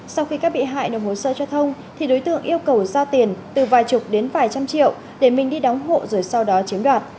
sau khi các bị hại nộp hồ sơ cho thông thì đối tượng yêu cầu giao tiền từ vài chục đến vài trăm triệu để mình đi đóng hộ rồi sau đó chiếm đoạt